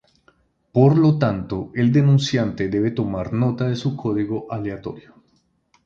Por lo tanto, el denunciante debe tomar nota de su código aleatorio.